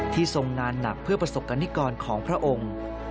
ทรงงานหนักเพื่อประสบกรณิกรของพระองค์